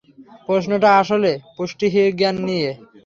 প্রশ্নটা আসলে পুষ্টিজ্ঞান নিয়ে।